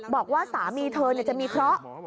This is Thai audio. บอกว่าสามีเธอจะมีเคราะห์